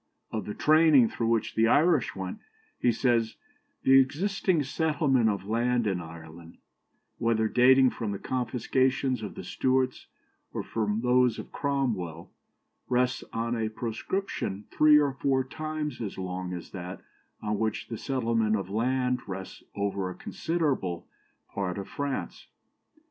" Of the "training" through which the Irish went, he says "The existing settlement of land in Ireland, whether dating from the confiscations of the Stuarts, or from those of Cromwell, rests on a proscription three or four times as long as that on which the settlement of land rests over a considerable part of France.